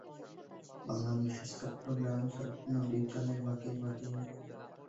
কিছু দিনের মধ্যেই দীউয়ান মুর্শিদকুলী খানের নামানুসারে মখসুসাবাদের নাম হয় মুর্শিদাবাদ।